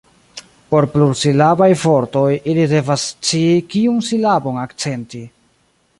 Por plursilabaj vortoj, ili devas scii kiun silabon akcenti.